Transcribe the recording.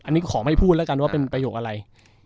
อันนี้ขอไม่พูดแล้วกันว่าเป็นประโยคอะไร